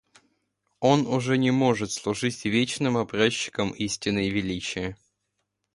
Он уже не может служить вечным образчиком истины и величия.